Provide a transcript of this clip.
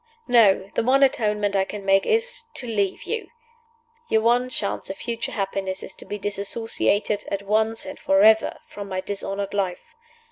"No! the one atonement I can make is to leave you. Your one chance of future happiness is to be disassociated, at once and forever, from my dishonored life.